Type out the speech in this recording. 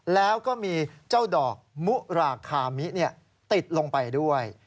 แล้วก็มีเจ้าดอกมุราคามิติดลงไปด้วย